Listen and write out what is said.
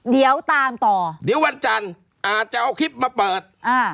เดี๋ยวตามต่อเดี๋ยววันจันทร์อาจจะเอาคลิปมาเปิดอ่า